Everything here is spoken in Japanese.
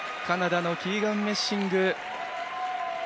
カナダのキーガン・メッシング。